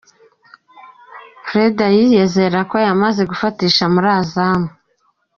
Fuad yizeragako yamaze gufatisha muri Azam